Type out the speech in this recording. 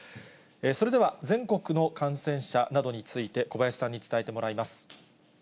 それでは全国の感染者などについて、小林さんに伝えてもらいます。